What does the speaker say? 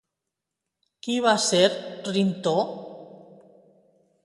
Qui va ser Rintó?